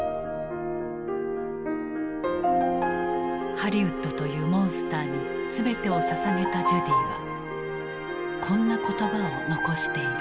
ハリウッドというモンスターにすべてをささげたジュディはこんな言葉を残している。